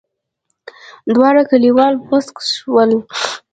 دواړه کليوال موسک ول.